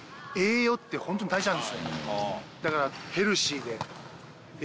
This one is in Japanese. だから。